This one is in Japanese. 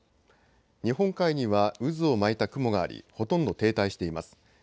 日本海には渦を巻いた雲がありほとんど停滞しています。